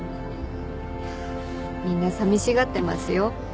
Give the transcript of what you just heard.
みんなさみしがってますよ。